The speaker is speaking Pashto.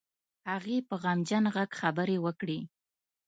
هغې په غمجن غږ خبرې وکړې.